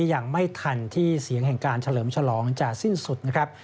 ยังไม่ทันที่เสียงแห่งการเฉลิมฉลองจะสิ้นสุดนะครับ